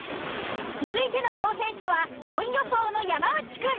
続いての挑戦者は５位予想の山内くん。